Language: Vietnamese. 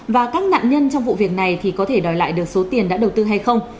và các nạn nhân trong vụ việc này thì có thể đòi lại được số tiền đã đầu tư hay không